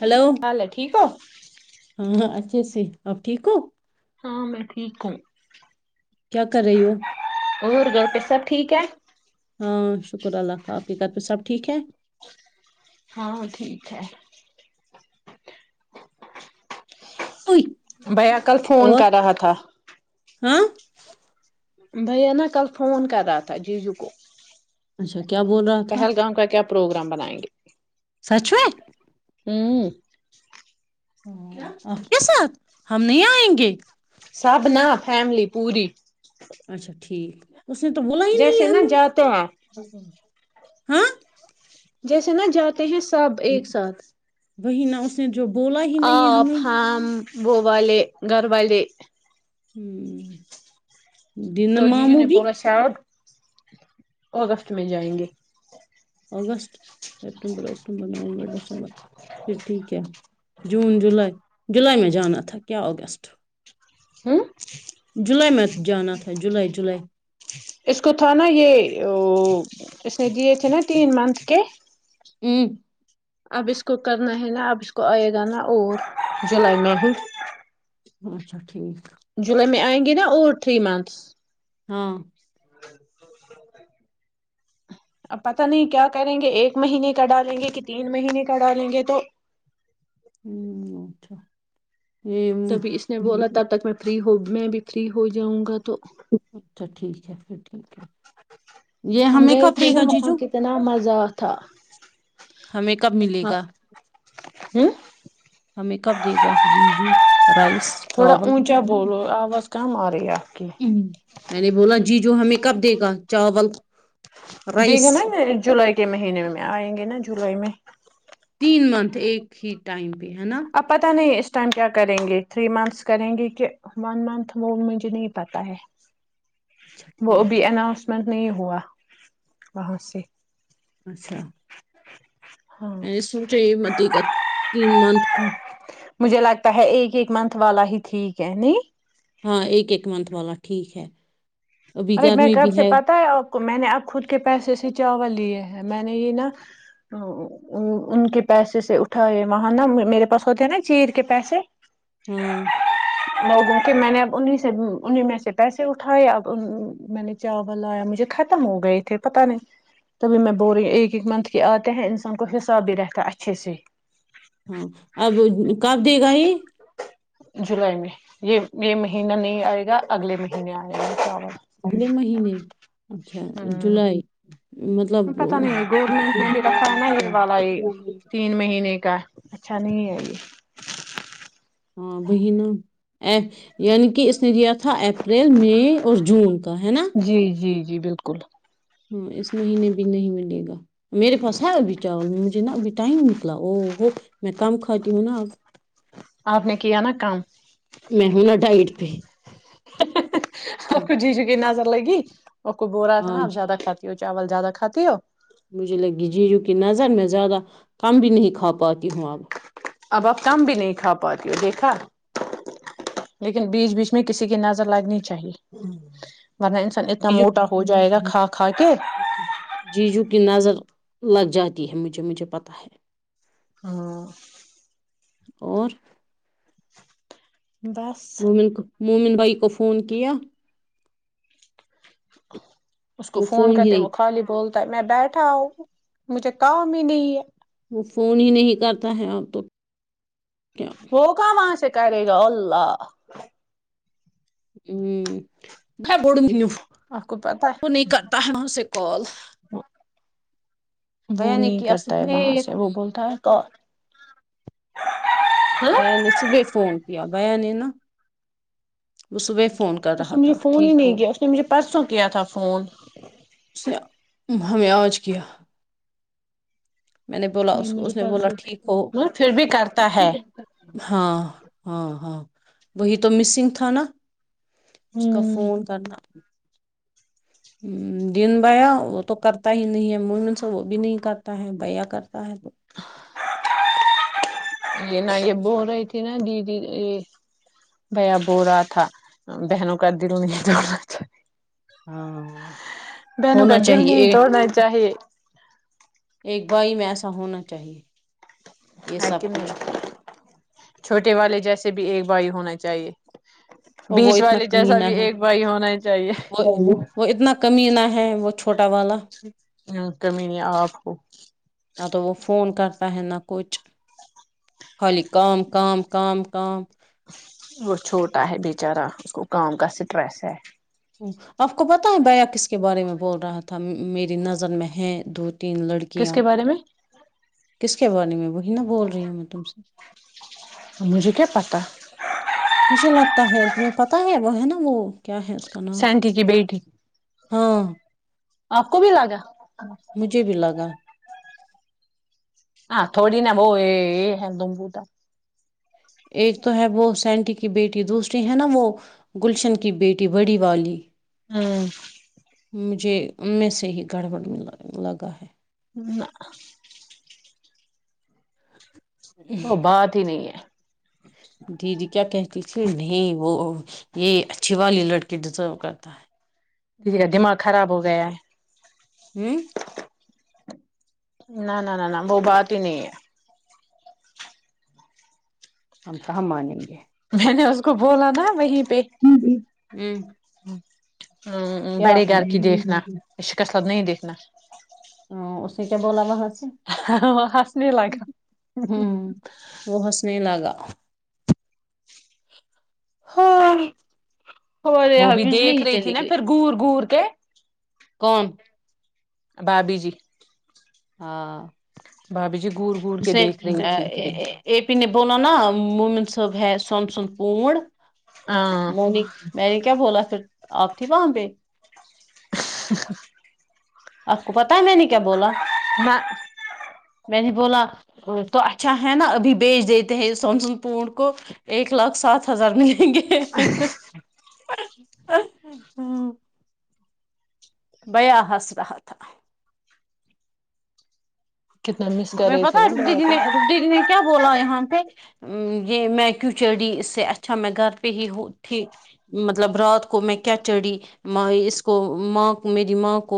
hello کیا حال ہے ٹھیک ہو ہاں ہاں اچھے سے اپ ٹھیک ہو ہاں میں ٹھیک ہوں کیا کر رہی ہو اور گھر پہ سب ٹھیک ہے ہاں شکر اللہ کا آپ کے گھر پہ سب ٹھیک ہے ہاں ٹھیک ہے اوئی بھیا کل فون اور کر رہا تھا ہاں بھیا نا کل فون کر رہا تھا جی جو کو اچھا کیا بول رہا تھا پہلگام کا کیا پروگرام بنائیں گے سچ میں ہوں آپ کے ساتھ ہم نہیں آئیں گے سب نا فیملی پوری اچھا ٹھیک اس نے تو بولا ہی نہیں جیسے ہے نا جاتے ہیں ہمیں ہاں جیسے نا جاتے ہیں ہے سب ایک ساتھ وہی نہ اس نے جو بولا ہی نہیں ہے آپ ہمیں ہم وہ والے گھر والے ہوں دین تو ما جیجو مو نے بھی بولا شاید اگست میں جائیں گے اگسٹ سپٹمبر اکتوبر نومبر دسمبر پھر ٹھیک ہے جون جولائی جولائی میں جانا تھا کیا اگستٹ [unintelligible] ہوں جولائی میں جانا تھا جولائی جولائی [unintelligible] اس کو تھا نا یہ اس نے دیے تھے نا تین منتھ کے [inaudible] اب اس کو کرنا ہے نا اب اس کو آئے گا نا اور جلائی میں ہی اچھا ٹھیک جولائی میں آئیں گے نا اورور تھری منتھس [unintelligible] ہاں [inaudible] اب پت نہیں کیا کریں گے ایک مہینے کا ڈالیں گے کہ تین مہینے کا ڈالیں گے تو [unintelligible] ہوں اچھا [unintelligible] تبھی اس نے بولا تب تک میں [unintelligible] فری ہو میں بھی فری ہو جاؤں گا [unintelligible] اچ اچھا ٹھیک [unintelligible] اچھ پھر [unintelligible] ٹھیک ہے یہ ہم ہمیں گئے کب تھے دے نا گا وہاں جیجو کتنا مزہ تھا ہمیں کب ملے گا ہوں ہمیں کب دے گا جیجو رائس تھوڑا چاول اونچا [unintelligible] بولو آواز کم آ رہی ہے آپ کی ہ میں نے بولا [unintelligible] جی جو ہمیں کب دیک گا چاول [unintelligible] رائس دیکھے نا جولائی کے مہینے میں آئیں گے نا جولائی میں [unintelligible] تین منتھ ایک ہی ٹائم [unintelligible] آپا ت نہیں [unintelligible] اس ٹائم کیا کریں گے تھری منتھس کریں گے کہ ون منتھ وہ مجھے نہیں پتہ ہے اچھا [unintelligible] وہ ا ٹھیک بھی ہے اناس [unintelligible] نہیں ہوا وہاں سے [unintelligible] اچھا [unintelligible] [inaudible] [unintelligible] میں سوچے متی کا تین منتھ تھا [unintelligible] مجھے لگتا ہے ایک ایک منتھ والا ہی ٹھیک ہے نہیں [unintelligible] ہاں ایک ایک منتھ والا ٹھیک ہے [unintelligible] ابھی ارے میں گرمی کب بھی سے پتا ہے [unintelligible] میں نے اب خود کے پیسے سے چاول لیے ہیں میں نے یہ نا ان کے پیسے سے اٹھائے وہاں نا میرے پاس ہوتے ہیں نا چیر کے پیسے [unintelligible] ہاں [unintelligible] لوگوں کے میں نے اب انہیں سے انہیں میں سے پیسے اٹھائے اب [unintelligible] میں نے چاول لایا مجھے ختم ہو گئے تھے پتہ نہیں تبھی میں بول رہی ایک ایک منتھ کے آتے ہیں انسان کو حساب بھی رہتا اچھے سے [unintelligible] ہاں اب کاف [unintelligible] دے گا ہی [unintelligible] جولائی میں یہ یہ مہینہ نہیں آئے گا اگلے مہینے آئے گا چ [unintelligible] اگلے مہینے اچھا جولائی [unintelligible] پتہ نہیں گورنمنٹ نے بھی رکھا نہا ہے والا یہ تین مہینے کا اچھا نہیں ہے یہ ہاں بہ ن ا یعنی کہ [unintelligible] نے لیا تھا اپریل مئی اور جون کا ہے نا جی جی جی بالکل ہاں اس مہینے بھی نہیں ملے گا میرے پاس ہے ابھی چاول مجھے نا ابھی ٹائم نکلا او ہو میں کم کھاتی ہوں نا اب آپ نے کیا نا کام میں ہوں نا ڈائٹ پہ سب کچھ جی چکے نہ سب [inaudible] لگ [unintelligible] وہ کچ بوا ل رہا تھا نا آپ آج زیادہ کھاتی ہو چاول زیادہ کھاتی ہو مجھے لگی جیجو کی نظر میں زیادہ کم بھی نہیں کھا پاتی ہوں اب اب آپ کم بھی نہیں کھا پاتی ہو دیکھا لیکن بیچ بیچ میں کسی کی نظر لگنی چاہیے ورنہ انسان اتنا جیجو موٹا ہو جائے گا کھا کھا کے جیجو نظر لگ جاتی ہے مجھے مجھے پتا ہے ہاں اور بس مومن کو مومن بائی کو فون کیا اس کو وہ فون ہی کرتے نہیں وہ خالی بول میں بیٹ [inaudible] تاؤ مجھے کام ہی نہیں ہے وہ فون ہی نہیں کرتا ہے اب تو کیا ہو کہ وہاں شک [unintelligible] کر رہ رلہ [unintelligible] ہوں بوڈوں گی ن آپ کو وہ نہیں کرتا ہے وہاں سے [unintelligible] کال ا [unintelligible] وہ بیا نے نہیں کیا کرتا ہے صبح وہاں سے وہ بولتا ہے اور ب صبے فون [unintelligible] کیابایا نے نا وہ صبح [inaudible] اس نے مجھے تھا فون ہی ٹھیک ہو نہیں کیا اس نے مجھے پرسوں کیا تھا فون اسے ہمیں آوج کیا میں نے بولا نہیں مجھے اس نے بولا پرسوں ٹھیک ہو مگر پھر بھی کرتا ہے ہاں ہاں ہاں وہی تو مسنگ تھا نا اس کا ہ فون کرنا ہ دن بیا وہ تو کرتا ہی نہیں ہے من س وہ بھی نہیں کرتا ہے بھیا کرتا ہے تو [unintelligible] [inaudible] یہ ن یہبوورائت نا دیدی ا بھیا بو رہا تھا بہنوں کا دل نہیں دوڑنا چاہے ہاں بہنوں کا ہونا دل نہیں چاہیے توڑنا ہی چاہیے ایک بھائی میں ایسا ہونا چاہیے [unintelligible] یہ ہے کہ سب کچھ نہیں چھوٹے والے جیسے بھی ایک بھائی ہونا چاہیے اور وہ بیچ اتنا والے جیسا کمینہ بھی ہے ایک بھائی ہونا ہے وہ وہ اتنا کمی نہ [unintelligible] ہیں وہ چھوٹا [unintelligible] ہ کمی نہیں آ آپو [unintelligible] ت ن کچھ خالی کام کام کام کام وہ چھوٹا ہے بچارہ اس کو کام کا اسٹریس ہے آپ کو پتا ہے بیا کس کے بارے میں بول رہا تھا میری نظر میں ہے دھ تین کس لڑکیاں کے [unintelligible] بارے میں کس کے بارے میں وہی ن بول رہی ہوں میں تم سے مجھے کے پتا [unintelligible] مچھے لگتا ہے تمہیں پتتا ہے وہ ہے نا وہ کیا ہے اس کا نام سینٹی کی بیٹی ہاں [unintelligible] آپ کو بھی لگا [unintelligible] مجھے بھی لگا ہاں تھوڑی نہ ب یہ دمپوتا ایک تو ہے وہ سینٹی کی بیٹی دوسری ہے نا وہ گلشن کی بیٹی بڑی والی ہاں [unintelligible] مجھے میں سے ہی گڑبڑ میں لگا ہے م [inaudible] وہ بات ہی نہیں ہے دیدی کیا کہتی تھی نہیں وہ یہ اچھی والی لڑکی ڈیزرو کرتا ہے دی کا دماغ خراب ہو گیا ہے ہوں [inaudible] نہ نہ نہ نہ وہ بات ہی نہیں ہے ہم کہاں مانیں گے میں نے اس کو بولا نا وہی ہ ہوں [unintelligible] ہ کیا بڑے گھر کی دیکھنا شک سب نہیں دیکھنا ہ اسے کیا بولاوا ہ ہسنے لگا ہوں وہ ہنسنے لگا ہاں ہمارے وہ یہاں بھی بجلی دیکھ ہی رہی تھی چلی نا گئی پھر گور گور کے آ کون بھاابھی جی ہاں بھابھی جی گڑ گڑ کے دیکھ رہی تھی بولو نا مومن صاحب ہے سون سند پوڑ ہاں م نے میں نے کیا بولا تھا پھر آپ تھی وہاں پہ ہ آپ کو پتا ہے میں نے کیا بولا ہم [unintelligible] میں نے بولا تو اچھا ہے نا ابھی بیچ دیتے ہیں سمسن پونڈ کو ایک لاکھ سات ہزار ملیں گے ہ ہاں [unintelligible] بیا ہ س رہہ تھا کتنا مس کر تمہیں رہے پتا تھے نا رپ دی بابا جی کو نے رپ دی جی نے کیا بولا ہے یہاں یہ میں کیوں چڑھی اس سے اچھا میں گھر پہ ہی تھی مطلب رات کو میں کیا چڑھی اس کو ماں میری ماں کو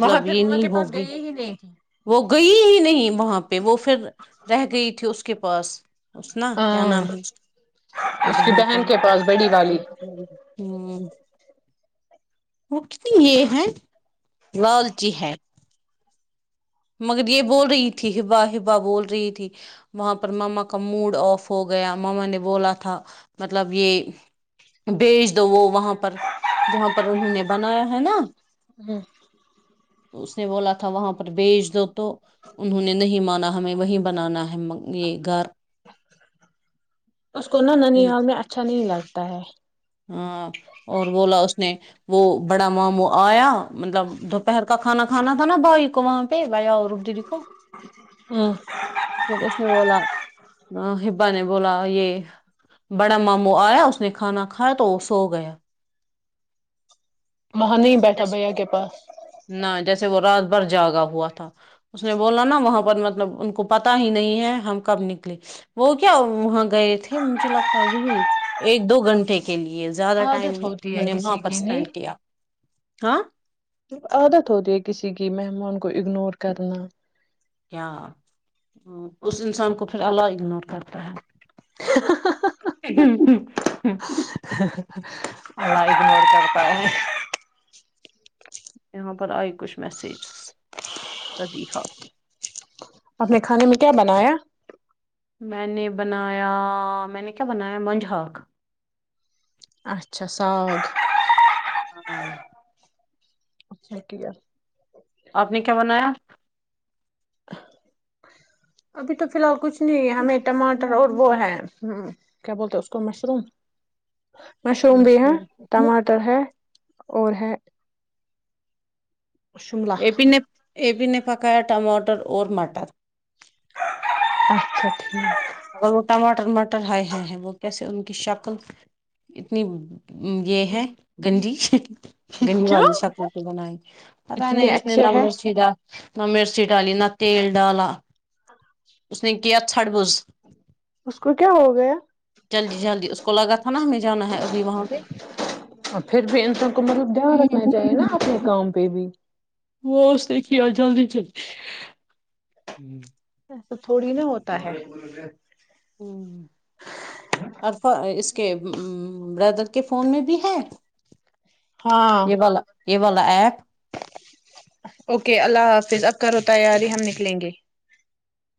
وہاں پھر یہ وہاں کے نہیں پاس ہوگی گئی ہی نہیں تھی وہ گئی ہی نہیں وہاں پہ وہ پھر رہ گئی تھی اس کے پاس اس ن کیا نام ہاں ہے اس کی بہن کو کے ہ پاس بڑی والی وہ یہ ہے لالچی ہے مگر یہ بول رہی تھی ہبا ہبا بول رہی تھی وہاں پر ماما کا موڈ آف ہو گیا ماما نے بولا تھا مطلب یہ بیچ دو وہ وہاں پر جہاں پر انہوں نے بنایا ہے نا ہ اس نے بولا تھا وہاں پر بیچ دو تو تو انہوں نے نہیں مانا ہمیں وہی بنانا ہے یہ گھر اس کو نہا ننی حال میں اچھا نہیں لگتا ہے ہاں اور بولا اس نے وہ بڑا ماموں آیا مطلب دوپہر کا کھانا کھانا تھا نا بھائی کو وہاں پہ بھیا اور رپ دی کو ہ ج کس نہیں بولا ہ ہبا نے بولا یہ بڑا ماموں آیا اس نے کھانا کھا تو سو گیا وہاں نہیں بیٹھا بھیا کے پاس نہ جیسے وہ رات بھر جاگا ہوا تھا اس نے بولا نا وہاں پر مطلب ان کو پتا ہی نہیں ہے ہم کب نکلے وہ کیا وہاں گئے تھے مجھے لگتا یہی ایک دو گھنٹے کے لیے یہ زیادہ ٹائم عادت انہوں نے وہاں پر اسپینڈ کیا ہاں ج عادت ہوتیی ہے کسی کی مہمان کو اگنور کرنا کیا اس انسان کو پھر اللہ اگنور کرتا ہے [inaudible] اڑا اگنور کرتا ہے یہاں پر آئے کچھ میسجز صدیحا اپ نے کھانے میں کیا بنایا میں نے بنایا میں نے کیا بنایا منج ہق اچھا ساگ ہاں ہاں اچٹ ہے آپ نے کیا بنایا ابھی تو فی الحال کچھ ہمیں ٹماٹر اور وہ ہے ہ کیا بولتے ہیں اس اس کو مشروم مشروم بھی ہے مشہور ٹماٹر ہے اور ہے شملہ [inaudible] پکایا ٹماٹر اور مٹر اچھا ٹھیک اگر وہ ٹماٹر مٹر ہائے ہ ہے وہ کیسے ان کی شکل اتنی یہ ہے بری گنڈی گنڈی کیوں والی شکوں تو بنائی پت نہیں اتنے اس نے اچھے ہے نمر سھا نہ مرچ ڈالی نہ تیل ڈالا اس نے ک ھٹ بوز اس کو کیا ہو گیا جلدی جلدی اس کو لگا تھا نا ہمیں جانا ہے ابھی وہاں پہ پھر بھی انسان کو مطلب دھیان رکھنا چاہیے نا اپنے کام پہ بھی وہ اس نے جلدی چ ایسا تھوڑی نا ہوتا ہے ہ اور اس کے بردر کے فون میں بھی ہے ہاں یہ والا یہ والا ایپ اوکے اللہ حافظ ا ہوتا ہے یار یہ ہم نکلیں گے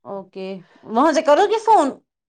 اوکے وہاں سے کرو گے فون